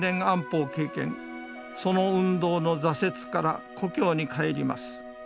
その運動の挫折から故郷に帰ります。